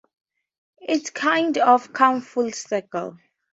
It's kind of come full circle.